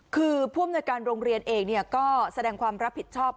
คือผู้อำนวยการโรงเรียนเองก็แสดงความรับผิดชอบ